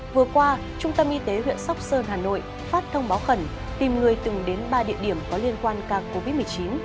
vừa qua trung tâm y tế huyện sóc sơn hà nội phát thông báo khẩn tìm người từng đến ba địa điểm có liên quan ca covid một mươi chín